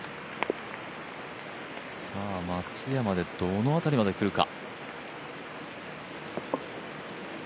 松山でどの辺りまで来るか。